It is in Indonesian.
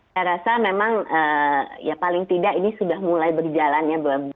saya rasa memang ya paling tidak ini sudah mulai berjalan ya